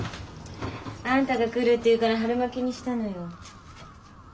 あんたが来るって言うから春巻きにしたのよ。